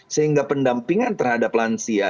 sehingga pendampingan terhadap lansia